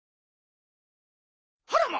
あらま！